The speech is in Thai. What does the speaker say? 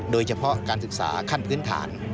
โดยเฉพาะการศึกษาขั้นพื้นฐาน